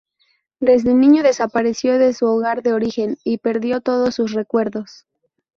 Desde niño desapareció de su lugar de origen y perdió todos sus recuerdos.